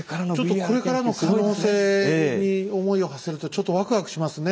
ちょっとこれからの可能性に思いをはせるとちょっとわくわくしますね。